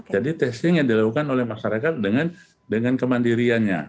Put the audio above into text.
jadi testing yang dilakukan oleh masyarakat dengan kemandiriannya